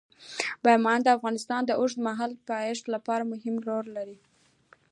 بامیان د افغانستان د اوږدمهاله پایښت لپاره مهم رول لري.